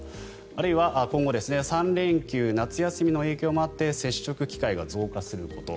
あるいは今後３連休、夏休みの影響もあって接触機会が増加すること。